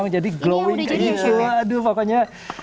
jadi glowing gitu aduh pokoknya